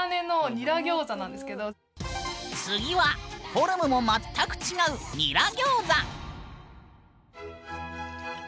次はフォルムも全く違うニラギョーザ！